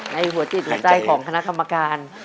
ในหัวจิตหัวใจของคณะกรรมการ